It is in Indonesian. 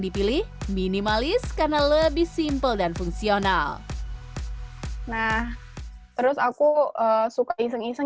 dipilih minimalis karena lebih simpel dan fungsional nah terus aku suka iseng iseng